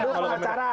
dulu sama acara